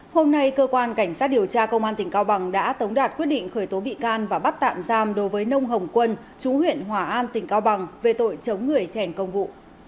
hôm nay cơ quan cảnh sát điều tra công an tỉnh cao bằng đã tống đạt quyết định khởi tố bị can và bắt tạm giam đối với nông hồng quân chú huyện hòa an tỉnh cao bằng về tội chống người thi hành công vụ